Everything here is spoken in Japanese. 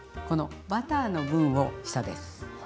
このバターの分を下です。